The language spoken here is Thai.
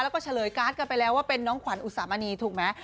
แล้วก็เฉลยการ์ดกันไปแล้วว่าเป็นน้องขวัญอุสามณีถูกไหม